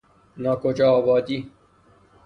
ناکجاآبادی